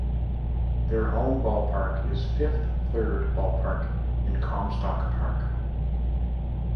Their home ballpark is Fifth Third Ballpark in Comstock Park.